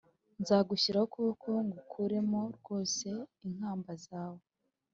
Nzagushyiraho ukuboko ngukuremo rwose inkamba zawe